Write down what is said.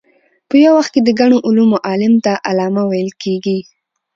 په یو وخت کې د ګڼو علومو عالم ته علامه ویل کېږي.